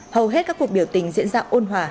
hầu hết các cuộc biểu tình diễn ra ôn hòa